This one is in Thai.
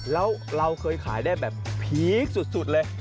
แล้วเราเคยขายได้แบบพีคสุดเลย